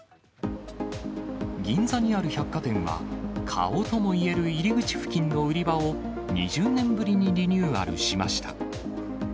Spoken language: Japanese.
銀座にある百貨店は、顔ともいえる入り口付近の売り場を、２０年ぶりにリニューアルしました。